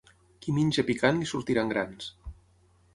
Qui menja picant li sortiran grans.